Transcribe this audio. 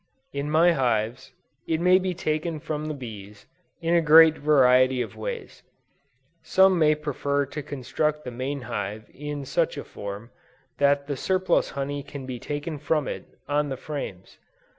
In my hives, it may be taken from the bees, in a great variety of ways. Some may prefer to construct the main hive in such a form, that the surplus honey can be taken from it, on the frames.